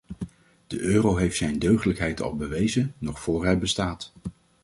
De euro heeft zijn deugdelijkheid al bewezen nog voor hij bestaat.